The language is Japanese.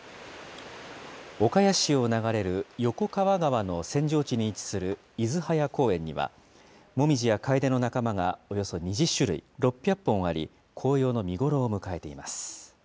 岡谷市を流れる横河川の扇状地に位置する出早公園には、モミジやカエデの仲間がおよそ２０種類、６００本あり、紅葉の見ごろを迎えています。